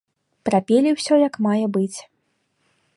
Прапелі ўсё як мае быць.